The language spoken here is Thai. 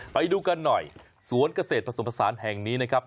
ไปดูกันหน่อยสวนเกษตรผสมผสานแห่งนี้นะครับ